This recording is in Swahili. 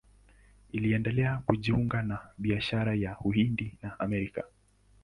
Iliendelea kujiunga na biashara ya Uhindi na Amerika.